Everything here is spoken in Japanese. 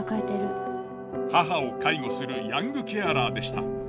母を介護するヤングケアラーでした。